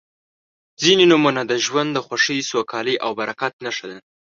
•ځینې نومونه د ژوند د خوښۍ، سوکالۍ او برکت نښه ده.